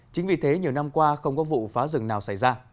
chính vì thế nhiều năm qua không có vụ phá rừng nào xảy ra